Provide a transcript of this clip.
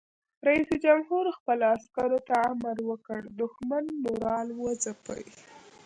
رئیس جمهور خپلو عسکرو ته امر وکړ؛ د دښمن مورال وځپئ!